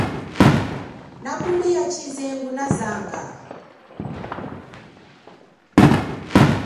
Na kulia chize ngunazanga.